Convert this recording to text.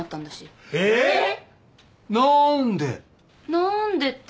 なんでって。